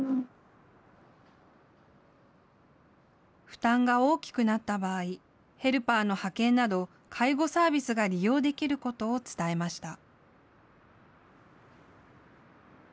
負担が大きくなった場合、ヘルパーの派遣など介護サービスが利用できることを伝えました。